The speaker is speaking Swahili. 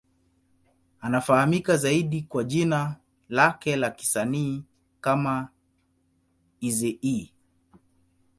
Anafahamika zaidi kwa jina lake la kisanii kama Eazy-E.